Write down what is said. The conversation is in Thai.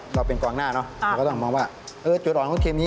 มันต้องตายแบบลูกเลี้ยดแน่นอน